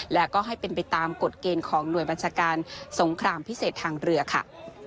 และก็ให้เป็นไปตามกฎเกณฑ์ของหน่วยบัญชาการสงครามพิเศษทางเรือค่ะ